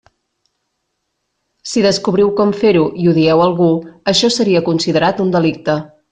Si descobriu com fer-ho, i ho dieu a algú, això seria considerat un delicte.